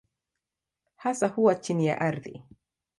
Hasa huwa chini ya ardhi.